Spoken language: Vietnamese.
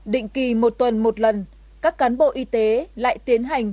định kỳ một tuần một lần các cán bộ y tế lại tiến hành